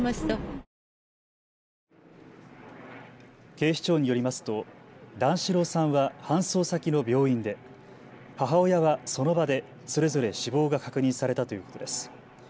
警視庁によりますと段四郎さんは搬送先の病院で、母親はその場で、それぞれ死亡が確認されたということです。